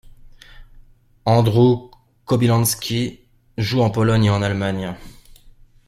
Andrzej Kobylański joue en Pologne et en Allemagne.